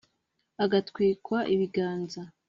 agatwikwa ibiganza